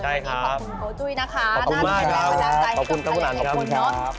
ใช่ครับขอบคุณกับโอ้จุ้ยนะคะน่าดีแรงและดำเนินใจขอบคุณครับขอบคุณครับ